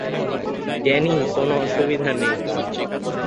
Danny, কোন অসুবিধা নেই।